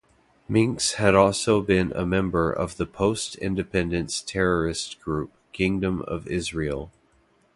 Menkes had also been a member of the post-independence terrorist group Kingdom of Israel.